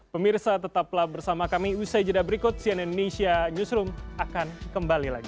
pemirsa tetaplah bersama kami usai jeda berikut cnn indonesia newsroom akan kembali lagi